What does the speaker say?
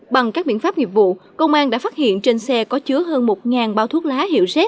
bằng các biện pháp nghiệp vụ công an đã phát hiện trên xe có chứa hơn một bao thuốc lá hiệu z